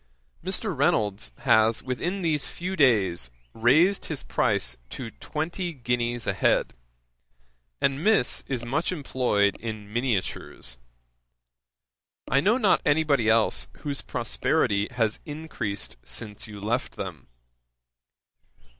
'Mr. Reynolds has within these few days raised his price to twenty guineas a head, and Miss is much employed in miniatures. I know not any body [else] whose prosperity has encreased since you left them.